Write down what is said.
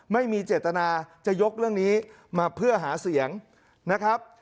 ไม่มีเจตนาจะยกเรื่องนี้มาเพื่อหาเสียงนะครับ